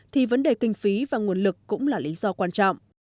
thì vấn đề kinh phí và nguồn lực cũng là lý do quan trọng